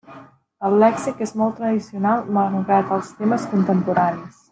El lèxic és molt tradicional malgrat els temes contemporanis.